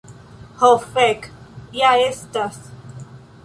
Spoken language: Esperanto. Ho, fek' ja estas